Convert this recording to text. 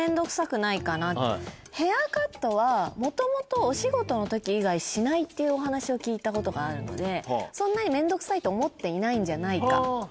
「ヘアカット」はもともと。っていうお話を聞いたことがあるのでそんなに面倒くさいと思っていないんじゃないか。